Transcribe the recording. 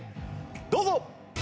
どうぞ！